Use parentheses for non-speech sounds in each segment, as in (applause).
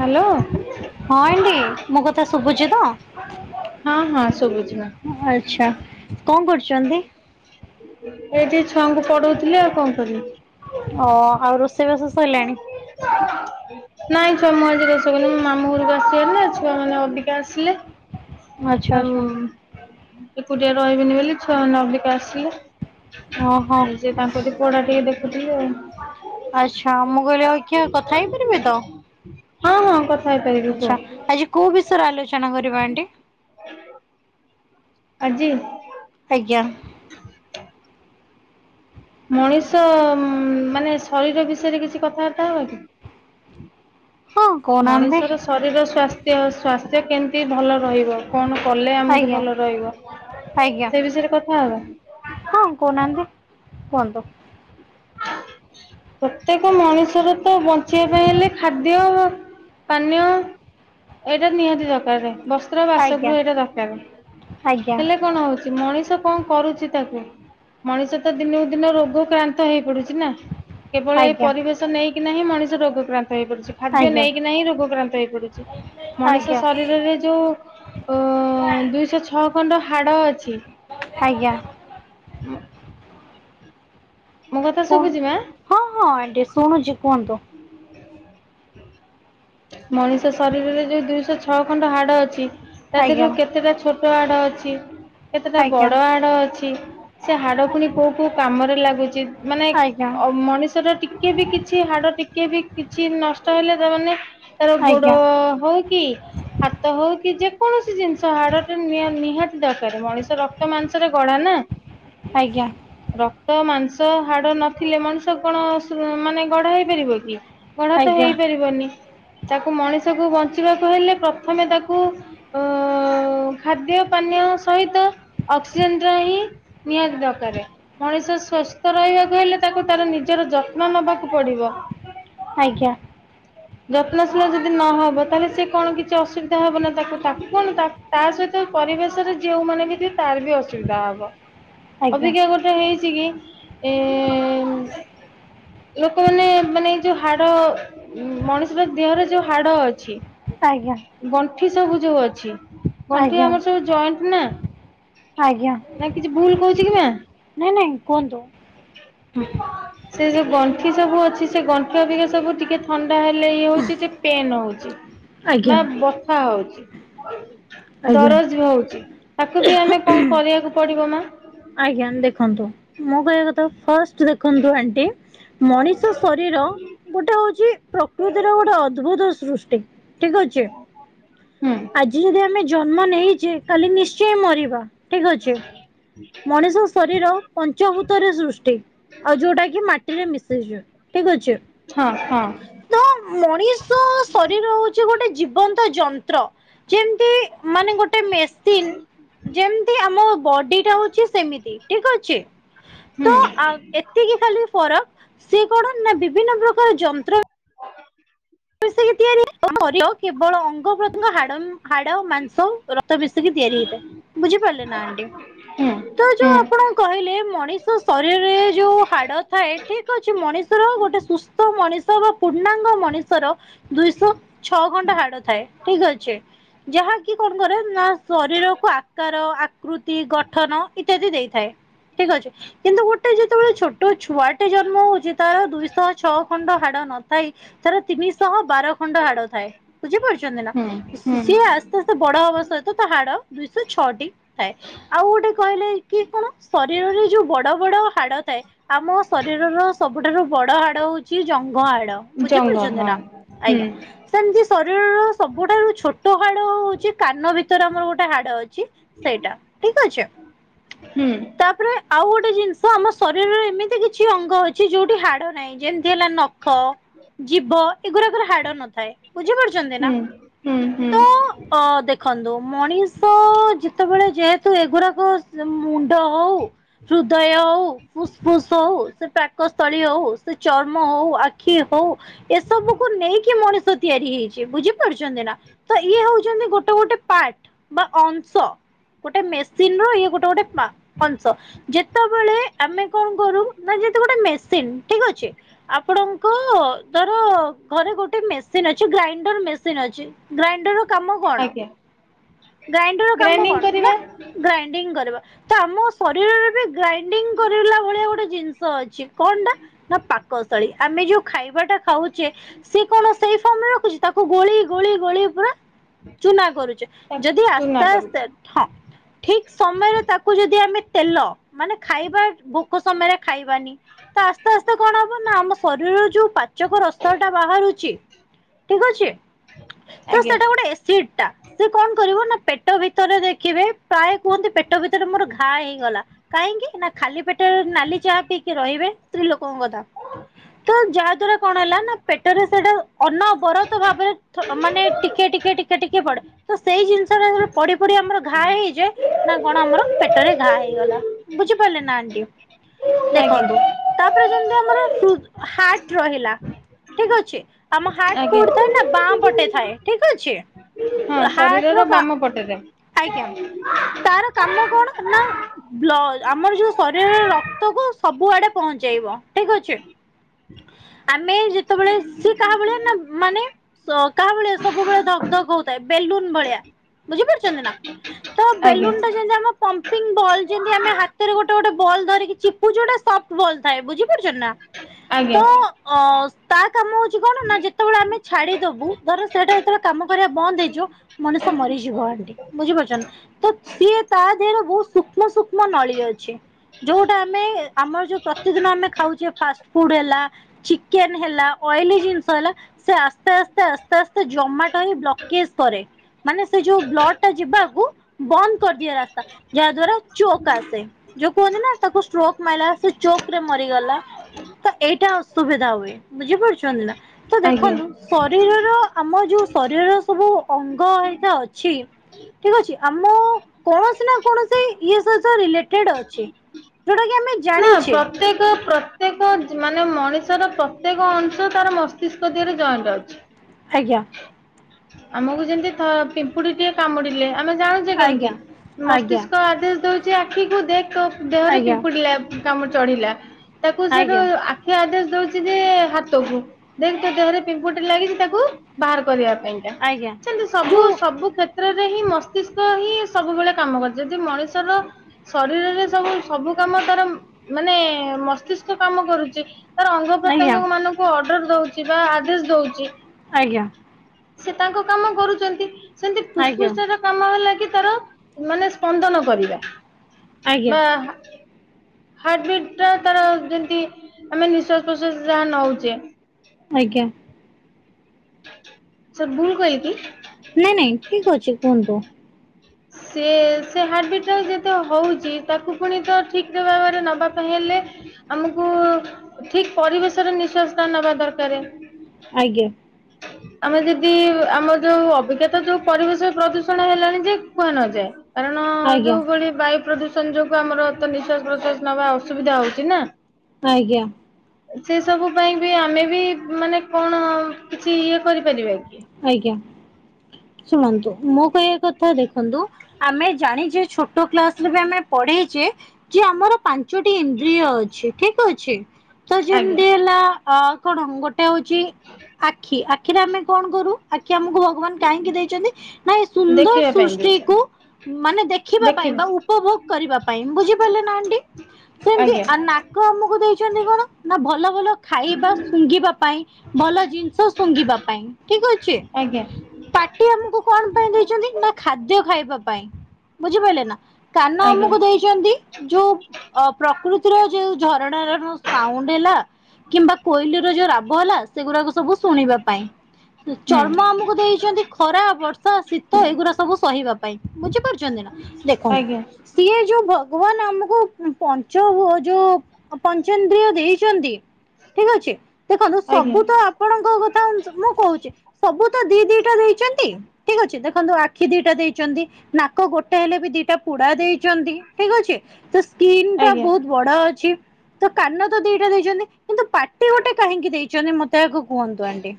Hello. ହଁ ଏଣ୍ଡି ମୋ କଥା ଶୁଭୁଛି ତ? ହଁ ହଁ ସୁବୁଛି ମା। ଆଚ୍ଛା କଣ କରୁଛନ୍ତି? ଏଇଠି ଛୁଆଙ୍କୁ ପଢଉଥିଲି ଆଉ କଣ କରିବି। ଓ ଆଉ ରୋଷେଇବାସ ସଇ ଲାଣି? (unintelligible) ନାଇଁ ଛୁଆ ମୁଁ ଆଜି ରୋଷେଇ କଲିନି ମୁଁ ମାମୁଁ ଘରକୁ ଆସିଲେ ଛୁଆ ମାନେ ଅବିକା ଆସିଲେ। ଆଚ୍ଛା ଆଉ ଆଚ୍ଛା ଏକୁଟିଆ ରହିବିନି ବୋଲି ଛୁଆ ମାନଙ୍କ (unintelligible) ଆସିଲେ। ଓହୋ। ଆଉ ସେ ତାଙ୍କ (unintelligible) ପଢା ଟିକେ ଦେଖୁିଥିଲି ଆଉ। ଆଚ୍ଛା ମୁଁ କହିଲି ଆଉ କିଏ କଥା ହେଇପାରିବେ ତ? ହଁ ହଁ କଥ ଆଛା ଆଜି କୋଉ ବିଷୟରେ ଆଲୋଚନା କରିବା ଆଣ୍ଟି? ଆଜି? ଆଜ୍ଞା। ମଣିଷ ମାନେ ଶରୀର ବିଷୟରେ କିଛି କଥାବାର୍ତ୍ତା ହବା କି? ହଁ କହୁନାହାନ୍ତି। ମଣିଷର ଶରୀର ସ୍ୱାସ୍ଥ୍ୟ। ସ୍ୱାସ୍ଥ୍ୟ କେମତି ଭଲ ରହିବ? କଣ କଲେ ଆମକୁ ଆଜ୍ଞା ଭଲ ରହିବ। ଆଜ୍ଞା ସେ ବିଷୟରେ କଥା ହବା? ହଁ କହୁନାହାନ୍ତି କୁହନ୍ତୁ। ପ୍ରତ୍ୟେକ ମଣିଷର ତ ବଞ୍ଚିବା ପାଇଁ ହେଲେ ଖାଦ୍ୟ ଦ୍ଯ ପାନୀୟ ଏଇଟା ନିହାତି ଦରକାର ରେ ବା ସ୍ତ୍ର ଆଜ୍ଞା ବାସଗୃହ ଏଇଟା ଦରକାର ଆଜ୍ଞା ହେଲେ କଣ ହଉଛି ମଣିଷ କଣ କରୁଛି ତାକୁ ମଣିଷ ତ ଦିନକୁ ଦିନ ରୋଗ କ୍ଳାନ୍ତ ହେଇ ପଡୁଛି ନା। କେବଳ ଏ ଆଜ୍ଞା ପରିବେଶ ନେଇକି ନାହିଁ ମଣିଷ ରୋଗକ୍ରାନ୍ତ ହେଇପଡୁଛି ଖାଦ୍ୟ ଆଜ୍ଞା ନେଇକି ନାହିଁ ରୋଗକ୍ରାନ୍ତ ହେଇପଡୁଛି ମଣିଷ ଆଜ୍ଞା ଶରୀରରେ ଯୋଉ ଓ ଦୁଇଶହ ଛଅ ଖଣ୍ଡ ହାଡ଼ ଅଛି। ଆଜ୍ଞା ହଁ। ମୋ କଥା କୁହ ଶୁଭୁଛି ମା? ହଁ ହଁ ଆଣ୍ଟି ଶୁଣୁଛି କୁହନ୍ତୁ। (unintelligible) ମଣିଷ ଶରୀରରେ ଯୋଉ ଦୁଇଶହ ଛଅ ଖଣ୍ଡ ହାଡ ଅଛି ତା ଆଜ୍ଞା ଦେହରୁ କେତେଟା ଛୋଟ ହାଡ ଅଛି କେତେଟା ଆଜ୍ଞା ବଡ ହାଡ ଅଛି। ସେ ହାଡ ପୁଣି କୋଉ କୋଉ କାମରେ ଲାଗୁଛି ମାନେ ଆଜ୍ଞା। ମଣିଷର ଟିକେ ଟିକେ ବି କିଛି ହାଡ ଟିକେ ବି କିଛି ନଷ୍ଟ ହେଲେ ତାମାନେ ତାର ଗୋଡ ଆଜ୍ଞା ହଉ କି ହାତ ହଉ କି ଯେକୌଣସି ଜିନିଷ ହାଡ଼ଟ ନିହାତି ଦରକାର ମଣିଷ ରକ୍ତ ମାଂସରେ ଗଡା ନା। (unintelligible) ଆଜ୍ଞା। ରକ୍ତ ମାଂସ ହାଡ ନଥିଲେ ମଣିଷ କଣ ମାନେ ଗଡା ହେଇପାରିବ କି। ଗଢା ତ ଆଜ୍ଞା ହେଇପାରିବନି ତାକୁ ମଣିଷକୁ ବଞ୍ଚିବାକୁ ହେଲେ ପ୍ରଥମେ ତାକୁ ଅ ଖାଦ୍ୟ ପାନୀୟ ସହିତ ଅକ୍ସିଜେନ ର ହିଁ ନିହାତି ଦରକାରେ। ମଣିଷ ସୁସ୍ଥ ରହିବାକୁ ହେଲେ ତାକୁ ତାର ନିଜର ଯତ୍ନ ନବାକୁ ପଡିବ। ଆଜ୍ଞା। ଯତ୍ନଶୀଳ ଯଦି ନହବ ତାହେଲେ ସେ କଣ କିଛି ଅସୁବିଧା ହବ ନା ତାକୁ କଣ ତାକୁ କଣ ତା ସହିତ ପରିବେଶରେ ଯଉ ମାନ ବି ଥିବେ ତାର ବି ଅସୁବିଧା ହବ। ଆଜ୍ଞା ଅଭିକା ଗୋଟେ ହେଇଚିକି ଏ ଲୋକମାନେ ମାନେ ଏଇ ଯୋଉ ହାଡ଼ ମଣିଷଟା ଦେହରେ ଯୋଉ ହାଡ଼ ଅଛି ଆଜ୍ଞା। ଗଣ୍ଠି ସବୁ ଯୋଉ ଅଛି ଗଣ୍ଠି ଆଜ୍ଞା ଆମର ସବୁ ଜଏଣ୍ଟନା ଆଜ୍ଞା। କିଛି ଭୁଲ କହୁଚିକି ମା? ନାଇଁ ନାଇଁ କୁହନ୍ତୁ। ସେଯୋଉ ଗଣ୍ଠି ସବୁ ଅଛି ସେ ଗଣ୍ଠିଅଧିକା ସବୁ ଟିକେ ଥଣ୍ଡା ହେଲେ ଇଏ ହଉଚି ଟିକେ ପେନ୍ ହଉଚି ଆଜ୍ଞା ବା ବ ଥା ହଉଚି ଆଜ୍ଞା ଦରଜ ହଉଚି ତାକୁବି ଆମେ କଣ କରିବାକୁ ପଡ଼ିବ ମା? ଆଜ୍ଞା ଦେଖନ୍ତୁ ମୁଁ କହିବା କଥା ଫାଷ୍ଟ ଦେଖନ୍ତୁ ଆଣ୍ଟି। ମଣିଷ ଶରୀର ଗୋଟେ ହଉଚି ପ୍ରକୃତିର ଗୋଟେ ଅଦ୍ଭୁତ ସୃଷ୍ଟି ଠିକ୍ ଅଛି ହୁଁ ଆଜି ଯଦି ଆମେ ଜନ୍ମ ନେଇ କାଲି ନିଶ୍ଚୟ ମରିବା ଠିକ୍ ଅଛି ମଣିଷ ଶରୀର ପଞ୍ଚଭୂତରେ ସୃଷ୍ଟି ଆଉ ଯୋଉଟାକି ମାଟିରେ ମିଶିଯାଏ ଠିକ୍ ଅଛି ହଁ ହଁ। ତ ମଣିଷ ଶରୀର ହଉଚି ଗୋଟେ ଜୀବନ୍ତ ଯନ୍ତ୍ର ଯେମିତି ମାନେ ଗୋଟେ ମେସିନ୍ ଯେମିତି ଆମ ବଡିଟା ହଉ ଚି ସେମିତି ଠିକ୍ ଅଛି ହୁଁ ତଏତିକି ଖାଲି ଫରକ୍ ସେ କଣ ନାବିଭିନ୍ନ ପ୍ରକାର ଯନ୍ତ୍ର (inaudible) ମିସିକି ତିଆରି ହୁଏ କେବଳ ଅଙ୍ଗତଙ୍ଗ ହାଡ଼ ହାଡ଼ ମାଂସ ରକ୍ତ ମିସିକି ତିଆରି ହେଇଥାଏ ବୁଝିପାରିଲେନା ଆଣ୍ଟି। ହୁଁ ତ ଯୋଉ ହୁଁ ଆପଣ କହିଲେ ମଣିଷ ଶରୀରରେ ଯୋଉ ହାଡ଼ ଥାଏ ଠିକ୍ ଅଛି ମଣିଷର ଗୋଟେ ସୁସ୍ଥ ମଣିଷ ବା ପୂର୍ଣ୍ଣାଙ୍ଗ ମଣିଷର ଦୁଇଶହ ଛଅ ଘଣ୍ଟା ହାଡ଼ ଥାଏ ଠିକ୍ ଅଛି ଯାହାକି କଣ କରେନା ଶରୀରକୁ ଆକାର ଆକୃତି ଗଠନ ଇତ୍ୟାଦି ଦେଇଥାଏ। ଠିକ୍ ଅଛି କିନ୍ତୁ ଗୋଟେ ଯେତେବେଳେ ଛୋଟ ଛୁଆଟେ ଜନ୍ମ ହଉଚି ତାର ଦୁଇ ଶହ ଛଅ ଖଣ୍ଡ ହାଡ଼ ନଥାଇ ତାର ତିନିଶହ ବାର ଖଣ୍ଡ ହାଡ଼ ଥାଏ ବୁଝିପାରୁଚନ୍ତି ନା। ହୁଁ ସିଏ ହୁଁ ଆସ୍ତେ ଆସ୍ତେ ବଡ଼ ହବା ସହିତ ତାହାଡ଼ ଦୁଇଶହ ଛଅଟି ଥାଏ ଆଉ ଗୋଟେ କହିଲେକି କଣ ଶରୀରରେ ଯୋଉ ବଡ଼ ବଡ଼ ହାଡ ଥାଏ ଆମ ଶରୀରର ସବୁଠାରୁ ବଡ଼ ହାଡ଼ ହଉଚି ଜଙ୍ଘ ହାଡ଼ ବୁଝି ଜଙ୍ଘ ହଁ ପାରୁଚନ୍ତିନା ହୁଁ ଆଜ୍ଞା। ସେମିତି ଶରୀରର ସବୁଠାରୁ ଛୋଟ ହାଡ଼ ହଉଚି କାନ ଭିତରେ ଆମର ଗୋଟେ ହାଡ଼ ଅଛି। ସେଇଟା ଠିକ୍ ଅଛି। ହୁଁ। ତାପରେ ଆଉ ଗୋଟେ ଜିନିଷ ଆମ ଶରୀରରେ ଏମିତି କିଛି ଅଙ୍ଗ ଅ ଛି ଯୋଉଠି ହାଡ଼ ନାହିଁ ଯେମିତି ହେଲା ନଖ ଜୀଭ ଏଗୁଡ଼ାକରେ ହାଡ଼ ନଥାଏ ବୁଝି ପାରୁଚନ୍ତିନା ହୁଁ ହୁଁ ହୁଁ ତ ଅଁ ଦେଖନ୍ତୁ ମଣିଷ ଯେତେବେଳେ ଯେହେତୁ ଏଗୁରାକ ସେ ମୁଣ୍ଡ ହଉ ହୃଦୟ ହଉ ଫୁସ୍ ଫୁସ୍ ହଉ ସେ ପାକ ସ୍ଥଳୀ ହଉ ସେ ଚର୍ମ ହଉ ଆଖି ହଉ ଏସବୁକୁୁ ନେଇକି ମଣିଷ ତିଆରି ହେଇ ବୁଝିପାରୁଚନ୍ତିନା ତ ଇଏ ହଉଚନ୍ତି ଗୋଟେ ଗୋଟେ ପାର୍ଟ ବା ଅଂଶ। ଗୋଟେ ମେସିନ ର ଇଏ ଗୋଟେ ଗୋଟେ ଅଂସ। ଯେତେବେଳେ ଆମେ କଣ କରୁ ନା ଯେତୁ ଗୋଟେ ମେସିନ ଠିକ ଅଛି ଆପଣଙ୍କ ତୋର ଘରେ ଗୋଟେ ମେସିନ ଅଛି ଗ୍ରାଇଣ୍ଡର ମେସିନ ଅଛି ଗ୍ରାଇଣ୍ଡର କାମ କଣ ଆଜ୍ଞା ଗ୍ରାଇଣ୍ଡର କାମ ଗ୍ରାଇଣ୍ଡିଙ୍ଗ କଣ ନା କରିବା ଗା ଇଣ୍ଡିଂ କରିବା ତ ଆମ ଶରୀରରେ ବି ଗ୍ରାଇଣ୍ଡିଙ୍ଗ କରିଲା ଭଳିଆ ଗୋଟେ ଜିନିଷ ଅଛି କଣଟା ନା ପାକସ୍ତଳୀ ଆମେ ଯୋଉ ଖାଇବାଟା ଖାଉଛେ ସିଏ କଣ ସେଇ ଫର୍ମରେ ରଖୁଛି ତାକୁ ଗୋଳି ଗୋଳି ଗୋଳି ପୁରା ଚୁନା କରୁଛେ ଯଦି ତାକୁ ଚୁନା ଆସ୍ତେ କରୁଛୁ ଆସ୍ତେ ହଁ ଠିକ ସମୟରେ ତାକୁ ଯଦି ଆମେ ତେଲ ମାନେ ଖାଇବା ଭୋକ ସମୟରେ ଖାଇବାନି ତ ଆସ୍ତେ ଆସ୍ତେ କଣ ହବ ନା ଆମ ଶରୀରର ଯୋଉ ପାଚକ ଟା ବାହାରୁଛି ଠିକ ଅଛି ତ ଆଜ୍ଞା ସେଟା ଗୋଟେ ଏସିଡ ଟା। ସେ କଣ କରିବ ନା ପେଟ ଭିତରେ ଦେଖିବେ ପ୍ରାୟ କୁହନ୍ତି ପେଟ ଭିତରେ ମୋର ଘା ହେଇଗଲା। କାହିଁକି ନା ଖାଲି ପେଟରେ ନାଲି ଚାହା ପିଇକି ରହିବେ। ସ୍ତ୍ରୀ ଲୋକଙ୍କ କଥା ତ ଯାହା ଦ୍ଵାରା କଣ ହେଲା ନା ପେଟରେ ସେଇଟା ଅନବରତ ଭାବରେ ମାନେ ଟିକେ ଟିକେ ଟିକେ ଟିକେ ପଡେ। ତ ସେଇ ଜିନିଷଟା ପଡି ପଡି ଆମର ଘା ହେଇଯାଏ ନା କଣ ଆମର ପେଟରେ ଘା ହେଇଗଲା ବୁଝିପାରିଲେ ନା ଆଣ୍ଟି? ଆଜ୍ଞା ଦେଖନ୍ତୁ ତାପରେ ଯେମିତି ଆମର ହାର୍ଟ ରହିଲା ଠିକ ଅଛି ଆମ ହାଟ ଆଜ୍ଞା କୋଉଠି ଥାଏ ନା ବାଁ ପଟେ ଥାଏ ଠିକ ଅଛି। ହଁ ହାର୍ଟ ର ଶରୀରର କା ବାମ ପଟେରେ। ଆଜ୍ଞା ତାର କାମ କଣ ନା ବ୍ଲ ଆମର ଯୋଉ ଶରୀରର ରକ୍ତ କୁ ସବୁ ଆଡେ ପହଞ୍ଚେଇବ ଠିକ ଅଛି। ଆମେ ଯେତେବେଳେ ସି କାହା ଭଳିଆ ନା ମାନେ ସ କାହା ଭଳିଆ ସବୁବେଳେ ଧକ ଧକ୍ ହଉଥାଏ ବେଲୁନ ଭଳିଆ ବୁଝି ପାରୁଛନ୍ତି ନା? ତ ଆଜ୍ଞା ବେଲୁନ ଟା ଯେମିତି ଆମ ପମ୍ପିଙ୍ଗ ବଲ ଯେମତି ଆମେ ହାତରେ ଗୋଟେ ଗୋଟେ ବଲ ଧରିକି ଚିପୁଚୁ ସେଟା ବଲ ଥାଏ ବୁଝିପାରୁଛ ନା? ତ ଆଜ୍ଞା। ଅ ତା କାମ ହଉଛି କଣ ନା ଯେତେବେଳେ ଆମେ ଛାଡିଦବୁ ଧର ସେଇଟା ଯେତେବେଳେ କାମ କରିବା ବନ୍ଦ ହେଇଯିବ ମଣିଷ ମରିଯିବ ଆଣ୍ଟି। ବୁଝିପାରୁଛ ନା ତ ସିଏ ତା ଦେହରେ ବହୁତ ସୂକ୍ଷ୍ମ ସୂକ୍ଷ୍ମ ନଳୀ ଅଛି। ଯୋଉଟା ଆମେ ଆମର ଯୋଉ ପ୍ରତିଦିନ ଆମେ ଖାଉଛେ ଫାଷ୍ଟ ଫୁଡ ହେ ଲା ଚିକେନ ହେଲା ଅଏଲି ଜିନିଷ ହେଲା ସେ ଆସ୍ତେ ଆସ୍ତେ ଆସ୍ତେ ଆସ୍ତେ ଜମାଟ ହେଇ ବ୍ଲକେଜ କରେ। ମାନେ ସେ ଯୋଉ ବ୍ଲଡ ଟା ଯିବାକୁ ବନ୍ଦ କରିଦିଏ ରାସ୍ତା ଯାହା ଦ୍ଵାରା ଚୋକ୍ ଆସେ। ଯୋଉ କୁହନ୍ତି ନା ତାକୁ ଷ୍ଟ୍ରୋକ ମାରିଲା ସେ ଚୋକ୍ ରେ ମରିଗଲା। ତ ଏଇଟା ଅସୁବିଧା ହୁଏ ବୁଝିପାରୁଛନ୍ତି ନା ତ ଆଜ୍ଞା ଦେଖନ୍ତୁ ଶ ରୀରର ଆମ ଯୋଉ ଶରୀରର ସବୁ ଅଙ୍ଗ ଭରୀକା ଅଛି ଠିକ ଅଛି ଆମ କୌଣସି ନା କୌଣସି ଇଏ ସହିତ ରିଲେଟେଡ ଅଛି। ଯୋଉଟା କି ଆମେ ନା ଜାଣିଛେ ପ୍ର ତ୍ୟେକ ପ୍ରତ୍ୟେକ ମାନେ ମଣିଷର ପ୍ରତ୍ୟେକ ଅଂଶ ତାର ମସ୍ତିଷ୍କ ଦିହରେ ଜଏଣ୍ଟ ଅଛି। ଆଜ୍ଞା। ଆମକୁ ଯେମିତି ପିମ୍ପୁଡି ଟିକେ କାମୁଡିଲେ ଆମେ ଜାଣଛୁ ଆଜ୍ଞା କେମତି, ଆଜ୍ଞା ମସ୍ତିଷ୍କ ଆଦେଶ ଦଉଛି ଆଖିକୁ ଦେଖ ତୋ ଦେହରେ ଆଜ୍ଞା ପିମ୍ପୁଡି ଲା କାମୁଡି ଚଢିଲା। ଆଜ୍ଞା। ସେ ଆଦେଶ ଦଉଛି ଯେ ହାତକୁ। ଦେଖ ତୋ ଦେହରେ ପିମ୍ପୁଟି ଲାଗିଛି ତାକୁ ବାହାର କରିବା ପାଇଁକା, ଆଜ୍ଞା ସେମତି ସବୁ ଯୋଉ ସବୁ କ୍ଷେତ୍ର କ୍ଷେତ୍ରରେ ହିଁ ମସ୍ତିଷ୍କ ହିଁ ସବୁବେଳେ କାମ କରେ, ଯଦି ମଣିଷର ଶରୀରରେ ସବୁ ସବୁ କାମ ତାର ମାନେ ମସ୍ତିଷ୍କ କାମ କରୁଛି। ତାର ଅଙ୍ଗ ଆଜ୍ଞା ପ୍ରତ୍ୟଙ୍ଗ ମାନଙ୍କୁ ଅର୍ଡର ଦଉଛି ବା ଆଦେଶ ଦଉଛି। ଆଜ୍ଞା। ସେ ତାଙ୍କ କାମ କରୁଛନ୍ତି, ସେମିତି ଆଜ୍ଞା ଫୁସଫୁସ ଟାର କାମ ହେଲା କି ତାର ମାନେ ସ୍ପନ୍ଦନ କରିବା, ଆଜ୍ଞା ବା ହାର୍ଟ ବିଟ୍ ଟା ତାର ଯେମିତି ଆମେ ନିଶ୍ୱାସ ପ୍ରଶ୍ୱାସ ଯାହା ନଉଛେ ଆଜ୍ଞା। ସାର୍ ଭୁଲ କହିଲିକି? ନାଇଁ ନାଇଁ ଠିକ ଅଛି କୁହନ୍ତୁ। ସେ ସେ ହେର୍ଟବିଟ ଟାକୁ ଯେତେ ହେଉଛି, ତାକୁ ପୁଣି ତ ଠିକ ଭାବରେ ନେବାକୁ ହେଲେ ଆମକୁ ଠିକ ପରିବେଶରେ ନିଶ୍ଵାସ ଟା ନବା ଦରକାର। ଆଜ୍ଞା। ଆମେ ଯଦି ଆମର ଯୋଉ ଅଭିକାତ ଯୋଉ ପରିବେଶ ପ୍ରଦୂଷଣ ହେଲାଣି ଯେ କୁହାନଯାଏ। କାରଣ ଆଜ୍ଞା ଯୋଉ ଭଳି ବାୟୁ ପ୍ରଦୂଷଣ ଯୋଗୁ ଆମର ତ ନିଶ୍ଵାସ, ପ୍ରଶ୍ଵାସ ନବା ଅସୁବିଧା ହଉଛି ନା। ଆଜ୍ଞା। ସେ ସବୁ ପାଇଁ ବି ଆମେ ବି ମାନେ କଣ କିଛି ଇଏ କରିପାରିବା କି? ଆଜ୍ଞା, ଶୁଣନ୍ତୁ ମୋ କହିବା କଥା ଦେଖନ୍ତୁ, ଆମେ ଜାଣିଛେ ଛୋଟ କ୍ଲାସ ରେ ବି ଆମେ ପଢିଛେ, କି ଆମର ପାଞ୍ଚ ପାଞ୍ଚଟି ଇନ୍ଦ୍ରିୟ ଅଛି। ଠିକ ଅଛି ତ ଆଜ୍ଞା ଯେମିତି ହେଲା ଅ କଣ ଗୋଟେ ଏଇଟା ହଉଛି ଆଖି, ଆଖିରେ ଆମେ କଣ କରୁ ଆଖି ଆମକୁ ଭଗବାନ କାହିଁକି ଦେଇଛନ୍ତି ନା, ଏ ସୁନ୍ଦର ଦେଖିବା ପାଇଁ ସୃଷ୍ଟିକୁ ଦେଇଛନ୍ତି ମାନେ ଦେଖିବା ପାଇଁ ବା, ଉପଭୋଗ କରିବା ପାଇଁ, ବୁଝିପାରିଲେ ନା ଆଣ୍ଟି? ସେମିତି ଆଜ୍ଞା। ନାକ ଆମକୁ ଦେଇଛନ୍ତି କଣ? ନା ଭଲ ଭଲ ଖାଇବା ଶୁଙ୍ଘିବା ପାଇଁ, ଭଲ ଜିନିଷ ଶୁଙ୍ଘିବା ପାଇଁ, ଠିକ ଅଛି ଆଜ୍ଞା। ପାଟି ଆମକୁ କଣ ପାଇଁ ଦେଇଛନ୍ତି ନା ଖାଦ୍ୟ ଖାଇବା ପାଇଁ ବୁଝିପାରିଲେ ନା? କାନ ଆଜ୍ଞା ଆମକୁ ଦେଇଛନ୍ତି ଯୋଉ ଅ ପ୍ରକୃତିର ଯୋଉ ଝରଣାର ସାଉଣ୍ଡ ହେଲା କିମ୍ବା କୋଇଲି ର ଯୋଉ ରାବ ହେଲା ସେଗୁଡାକ ସବୁ ଶୁଣିବା ପାଇଁ। ଚର୍ମ ହୁଁ ଆମକୁ ଦେଇଛନ୍ତି ଖରା ବର୍ଷା ଶୀତ ଏଗୁଡା ସବୁ ସହିବା ପାଇଁ ବୁଝିପାରୁଛନ୍ତି ନା। ଆଜ୍ଞା ଦେଖନ୍ତୁ ସିଏ ଯୋଉ ଭଗବାନ ଆମକୁ ପଞ୍ଚ ହୁଅଯୋଉ ପଞ୍ଚନ୍ଦ୍ରିୟ ଦେଇଛନ୍ତି ଠିକ ଅଛି, ଦେଖନ୍ତୁ ଆଜ୍ଞା। ସବୁ ତ ଆପଣଙ୍କ କଥା ମୁଁ କହୁଛି ସବୁ ତ ଦି ଦିଟା ଦେଇଛନ୍ତି। ଠିକ ଅଛି ଦେଖନ୍ତୁ ଆଖି ଦିଟା ଦେଇଛନ୍ତି। ନାକ ଗୋଟେ ହେଲେ ବି ଦିଟା ପୁଡା ଦେଇଛନ୍ତି। ଠିକ ଅଛି ତ ସ୍କିନ ଟା ଆଜ୍ଞା ବହୁତ ବଡ ଅଛି। ତ କାନ ତ ଦିଟା ଦେଇଛନ୍ତି କିନ୍ତୁ ପାଟି ଗୋଟେ କାହିଁକି ଦେଇଛନ୍ତି ମତେ ଆଗ କୁହନ୍ତୁ ଆଣ୍ଟି?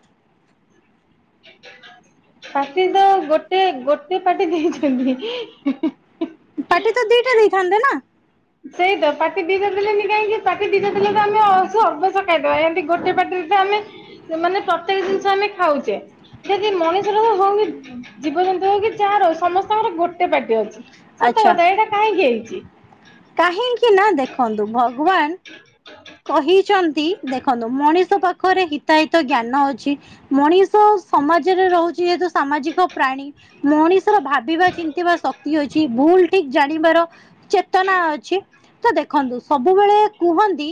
ପାଟି ତ ଗୋଟେ ଗୋଟେ ପାଟି ଦେଇଛନ୍ତି। (unintelligible) ପାଟି ତ ଦିଟା ଦେଇଥାନ୍ତେ ନା? ସେଇ ତ ପାଟି ଦି ଟା ଦେଲେନି କାହିଁକି ପାଟି ଦି ଟା ଦେଲେ ତ ଆମେ ଅବଶ୍ୟ ଖାଇଦବା ଏମତି ଗୋଟେ ପାଟି ଏ ଆମେ ମାନେ ପ୍ରତ୍ୟେକ ଜିନିଷ ଆମେ ଖାଉଛେ। ଯଦି ମଣିଷର ହଉ କି ଜୀବଜନ୍ତୁର ହଉ କି ଯାର ହଉ ସମସ୍ତଙ୍କର ଗୋଟେ ପାଟି ଅଛି। ସତ ଆଚ୍ଛା କଥା ଏଇଟା କାହିଁକି ହେଇଛି? କାହିଁକି ନା ଦେଖନ୍ତୁ ଭଗବାନ କହିଛନ୍ତି ଦେଖନ୍ତୁ ମଣିଷ ପାଖରେ ହିତାହିତ ଜ୍ଞାନ ଅଛି। ମଣିଷ ସମାଜରେ ରହୁଛି ଯେହେତୁ ସାମାଜିକ ପ୍ରାଣୀ। ମଣିଷର ଭାବିବା ଚିନ୍ତିିବା ଶକ୍ତି ଅଛି ଭୁଲ ଠିକ ଜାଣିବାର ଚେତନା ଅଛି ତ ଦେଖନ୍ତୁ ସବୁବେଳେ କୁହନ୍ତି,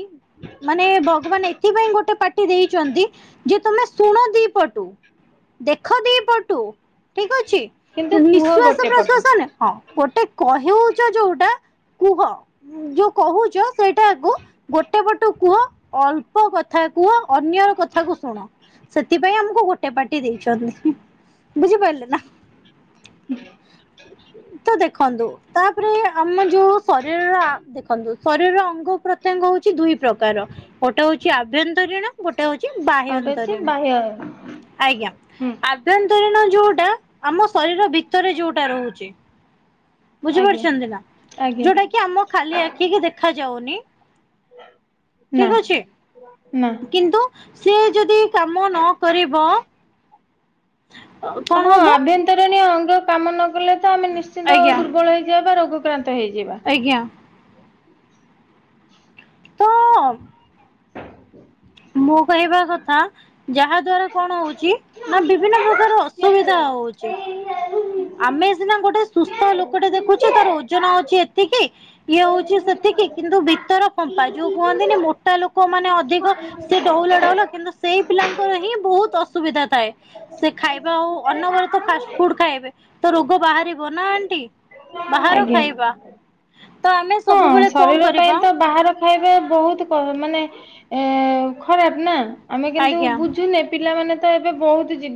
ମାନେ ଭଗବାନ ଏଥିପାଇଁ ଗୋଟେ ପାଟି ଦେଇଛନ୍ତି ଯେ ତମେ ଶୁଣ ଦିପଟୁ। ଦେଖ ଦି ପଟୁ ଠିକ ଅଛି। କିନ୍ତୁ କୁହ ନିଶ୍ୱାସ ଗୋଟେ ପଟୁ ପ୍ରଶ୍ଵାସ ନେ ହଁ ଗୋଟେ କହିଉଛ ଯୋଉଟା କୁହ ଯୋଉ କହୁଛ ସେଇଟାକୁ ଗୋଟେ ପଟୁ କୁହ ଅଳ୍ପ କଥା କୁହ ଅନ୍ୟର କଥାକୁ ଶୁଣ। ସେଥିପାଇଁ ଆମକୁ ଗୋଟେ ଏ ପାଟି ଦେଇଛନ୍ତି ବୁଝିପାରିଲେ ନା। ତ ଦେଖନ୍ତୁ, ତାପରେ ଆମ ଯୋଉ ଶରୀରର ଆ ଦେଖନ୍ତୁ ଶରୀରର ଅଙ୍ଗ ପ୍ରତ୍ୟଙ୍ଗ ହଉଛି, ଦୁଇ ପ୍ରକାର ଗୋଟେ ହଉଛି ଆଭ୍ୟନ୍ତରୀଣ ଗୋଟେ ହଉଛି ଆଉ ଗୋଟେ ଅଛି ବାହ୍ୟନ୍ତରୀଣ। ବାହ୍ୟ ଆଜ୍ଞା ହୁଁ ଆଭ୍ୟନ୍ତରୀଣ ଯୋଉଟା ଆମ ଶରୀର ଭିତରେ ଯୋଉଟା ଯୋଉଟା ରହୁଛି। ବୁଝି ଆଜ୍ଞା। ପାରୁଛନ୍ତି ନା ଆଜ୍ଞା ଯୋଉଟା କି ଆମ ଖାଲି ଆଖି ଠିକ୍ ଦେଖାଯାଉନି। ନା ଠିକ ଅଛି, ନା। କିନ୍ତୁ ସିଏ ଯଦି କାମ ନ କରିବ ହଁ କଣ ହବ ଆଭ୍ୟନ୍ତରୀଣୀ ଅଙ୍ଗ କାମ ନ କଲେ ତ ଆମେ ନିଶ୍ଚିନ୍ତ ଆଜ୍ଞା ଦୁର୍ବଳ ହେଇଯିବା ବା ରୋଗ ଆକ୍ରାନ୍ତ ହେଇଯିବା। ଆଜ୍ଞା। ହଁ। (inaudible) ମୁଁ କହିବା କଥା ଯାହା ଦ୍ଵାରା କଣ ହଉଛି ନା ବିଭିନ୍ନ ପ୍ରକାର ଅସୁବିଧା ହଉଚି। ଆମେ ସିନା ଗୋଟେ ସୁସ୍ଥ ଲୋକ ଗୋଟେ ଦେଖୁଛ ତାର ଓଜନ ଅଛି ଏତିକି ଇଏ ହଉଛି ସେତିକି କିନ୍ତୁ ଭିତର ଫମ୍ପା ଯୋଉ କୁହନ୍ତିନି ମୋଟା ଲୋକ ମାନେ ଅଧିକ ସେ ଡଉଲ ଡାଉଲ କିନ୍ତୁ ସେଇ ପିଲାଙ୍କର ହିଁ ବହୁତ ଅସୁବିଧା ଥାଏ। ସେ ଖାଇବା ହଉ ଅ ଘରେ ତ ଫାଷ୍ଟ ଫୁଡ ଖାଇବେ ତ ରୋଗ ବାହାରିବ ନା ଆଣ୍ଟି। ବାହାର ଆଜ୍ଞା। ଖାଇବା ତ ଆମେ ହଁ ସବୁବେଳେ ଶରୀର କଣ ପାଇଁ କରିବା। ତ ବାହାର ଖାଇବା ବହୁତ ମାନେ ଏ ଖରାପ ନା ଆମେ କିନ୍ତୁ ଆଜ୍ଞା। ବୁଝୁ ନେ ପିଲାମାନେ ତ ଏବେ ବହୁତ ଜିଦ୍ଦି।